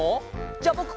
じゃぼく